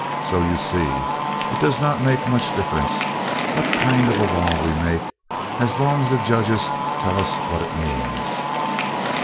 So, you see, it does not make much difference what kind of a law we make as long as the judges tell us what it means.